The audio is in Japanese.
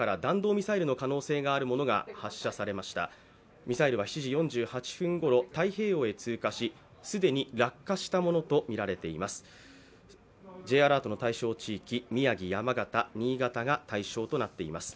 ミサイルは７時４８分ごろ、太平洋に通過し既に落下したものとみられています。